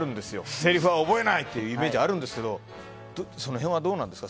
せりふは覚えないってイメージあるんですけどその辺はどうなんですか？